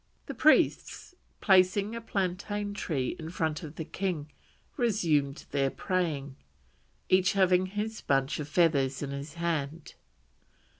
The priests, placing a plantain tree in front of the king, resumed their praying, each having his bunch of feathers in his hand.